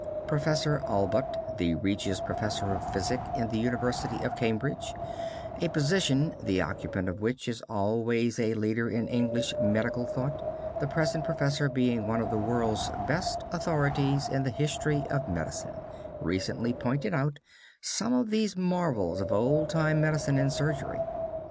Professor Allbutt, the Regius professor of Physic in the University of Cambridge, a position, the occupant of which is always a leader in English medical thought, the present professor being one of the world's best authorities in the history of medicine, recently pointed out some of these marvels of old time medicine and surgery.